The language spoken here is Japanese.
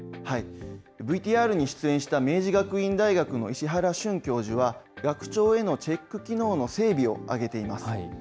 ＶＴＲに出演した明治学院大学の石原俊教授は、学長へのチェック機能の整備を挙げています。